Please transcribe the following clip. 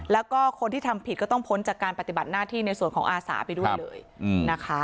แล้วก็คนที่ทำผิดก็ต้องพ้นจากการปฏิบัติหน้าที่ในส่วนของอาสาไปด้วยเลยนะคะ